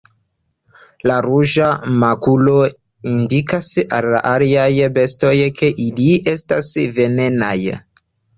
La ruĝa makulo indikas al aliaj bestoj ke ili estas venenaj.